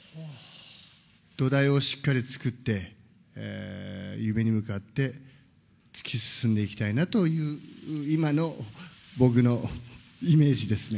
土台をしっかり作って、夢に向かって突き進んでいきたいなという、今の僕のイメージですね。